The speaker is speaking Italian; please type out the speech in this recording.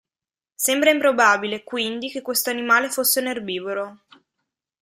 Sembra improbabile, quindi, che questo animale fosse un erbivoro.